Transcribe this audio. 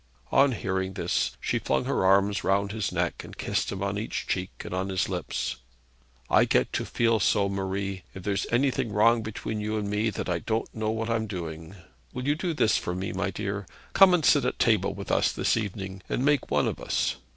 On hearing this, she flung her arms round his neck and kissed him on each cheek and on his lips. 'I get to feel so, Marie, if there's anything wrong between you and me, that I don't know what I'm doing. Will you do this for me, my dear? Come and sit at table with us this evening, and make one of us.